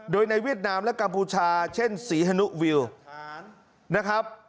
โดยในเวียดนามและกัมพูชาเช่นศรีฮนุวิวนะครับ